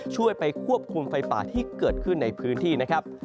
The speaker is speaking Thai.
ช่วยไปควบคุมไฟป่าที่เกิดขึ้นในพื้นที่นะครับ